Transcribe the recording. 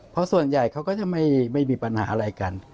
เพราะส่วนใหญ่เขาก็จะไม่มีปัญหาอะไรกัน